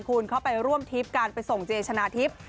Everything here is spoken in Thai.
คุณเข้าไปร่วมทริปการไปส่งเจชนะทิพย์